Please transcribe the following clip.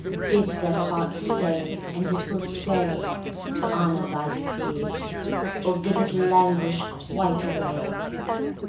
Bid that heart stay, and it will stay, To honour thy decree; Or bid it languish quite away.